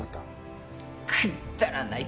くっだらない